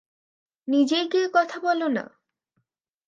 নিজেই গিয়ে কথা বলো না?